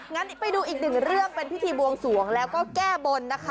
งั้นไปดูอีกเรื่องเป็นพิธีบวงศวงและแก้บล